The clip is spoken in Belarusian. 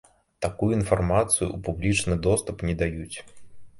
Такую інфармацыю ў публічны доступ не даюць.